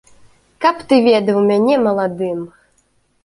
Каб ты ведаў мяне маладым!